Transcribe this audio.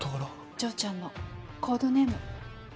丈ちゃんのコードネーム。